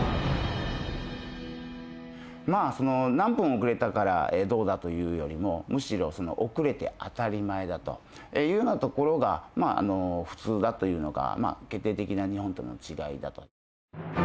まあ何分遅れたからどうだというよりもむしろ遅れて当たり前だというようなところが普通だというのが決定的な日本との違いだと。